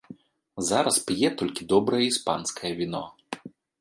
Зараз п'е толькі добрае іспанскае віно.